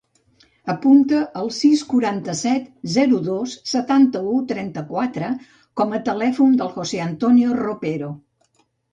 Apunta el sis, quaranta-set, zero, dos, setanta-u, trenta-quatre com a telèfon del José antonio Ropero.